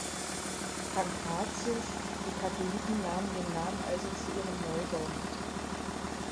Pankratius“, die Katholiken nahmen den Namen also zu ihrem Neubau mit.